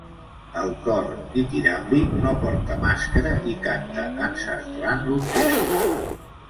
El cor ditiràmbic no porta màscara i canta encerclant l'orquestra.